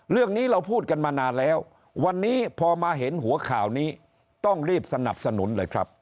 เรื่องนี้เราพูดกันมานานแล้ววันนี้พอมาเห็นหัวข่าวนี้ต้องรีบสนับสนุนเลยครับ